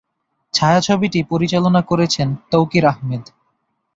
ছায়াছবিটি পরিচালনা করেছেন তৌকির আহমেদ।